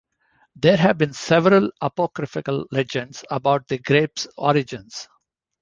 There have been several apocryphal legends about the grape's origins.